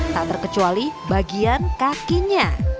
tak terkecuali bagian kakinya